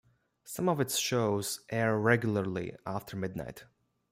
Some of its shows air regularly after midnight.